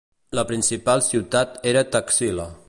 La principal ciutat era Taxila.